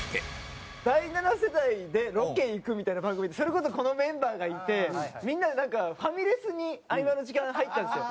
第七世代でロケ行くみたいな番組でそれこそこのメンバーがいてみんなでなんかファミレスに合間の時間入ったんですよ。